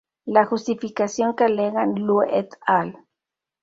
La justificación que alegan Luo et al.